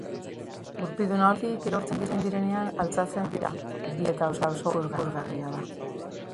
Gurpildun ahulkitik erortzen direnean altxatzen dira, bizia eta oso ikusgarria da.